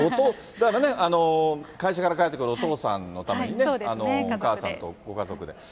だから、会社から帰ってくるお父さんのためにね、お母さんとご家族で。